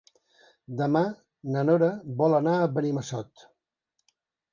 Demà na Nora vol anar a Benimassot.